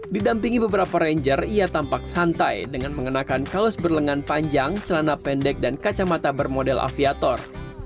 didampingi beberapa ranger ia tampak santai dengan mengenakan kaos berlengan panjang celana pendek dan kacamata bermodel aviator